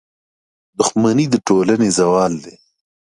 • دښمني د ټولنې زوال دی.